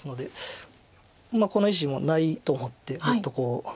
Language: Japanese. この石もないと思ってグッとこう。